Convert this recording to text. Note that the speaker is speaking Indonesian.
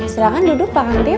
silahkan duduk pak kantip